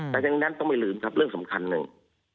แต่ฉะนั้นต้องไม่ลืมครับเรื่องสำคัญหนึ่ง